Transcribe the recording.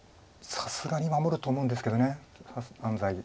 さすがに守ると思うんですけど安斎八段でも。